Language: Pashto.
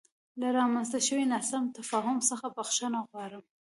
له رامنځته شوې ناسم تفاهم څخه بخښنه غواړم.